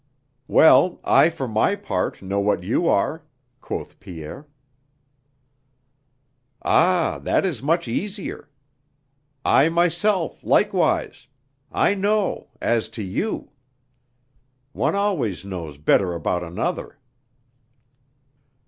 "Well, I for my part know what you are," quoth Pierre. "Ah, that is much easier. I myself likewise, I know ... as to you! One always knows better about another."